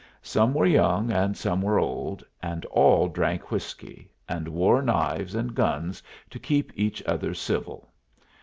Some were young, and some were old, and all drank whiskey, and wore knives and guns to keep each other civil.